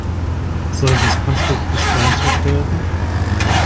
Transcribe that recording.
Soll das Passwort gespeichert werden?